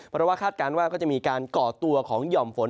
เพราะว่าคาดการณ์ว่าก็จะมีการก่อตัวของหย่อมฝน